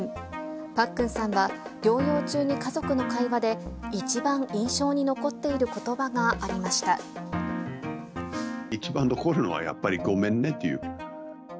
パックンさんは療養中に家族の会話で一番印象に残っていることば一番残るのは、やっぱりごめんねっていう。